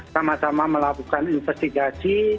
sama sama melakukan investigasi